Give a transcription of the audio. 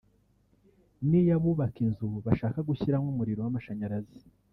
n’iyo abubaka inzu bashaka gushyiramo umuriro w’amashanyarazi